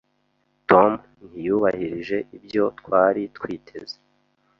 Tom ntiyubahirije ibyo twari twiteze.